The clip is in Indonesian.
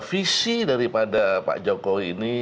visi daripada pak jokowi ini